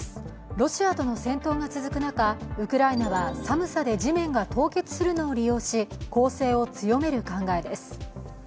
ロシアとの戦闘が続く中ウクライナは寒さで地面が凍結するのを利用し、攻勢を強める考えです。